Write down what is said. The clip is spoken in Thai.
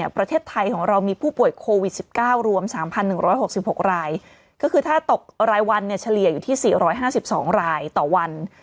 ประเทศไทยของเรามีผู้ป่วยโควิด๑๙รวม๓๑๖๖รายก็คือถ้าตกรายวันเฉลี่ยอยู่ที่๔๕๒รายต่อวัน